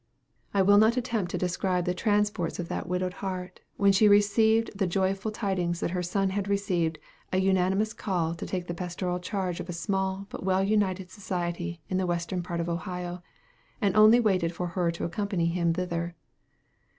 I will not attempt to describe the transports of that widowed heart, when she received the joyful tidings that her son had received a unanimous call to take the pastoral charge of a small but well united society in the western part of Ohio, and only waited for her to accompany him thither.